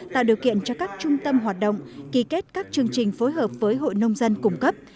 tạo điều kiện cho các trung tâm hoạt động ký kết các chương trình phối hợp với hội nông dân cung cấp